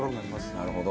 なるほど。